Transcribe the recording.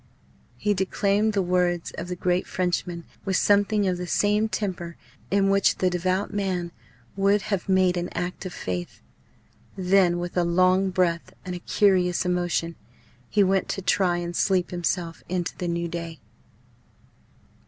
He declaimed the words of the great Frenchman with something of the same temper in which the devout man would have made an act of faith. Then, with a long breath and a curious emotion, he went to try and sleep himself into the new day.